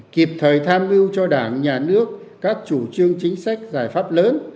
kịp thời tham mưu cho đảng nhà nước các chủ trương chính sách giải pháp lớn